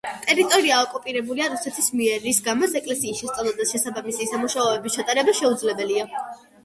ტერიტორია ოკუპირებულია რუსეთის მიერ, რის გამოც ეკლესიის შესწავლა და შესაბამისი სამუშაოების ჩატარება შეუძლებელია.